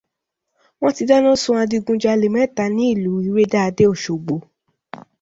Wọ́n ti dánà sun adigunjalè mẹ́ta ní ìlú Iredáadé Òṣogbo.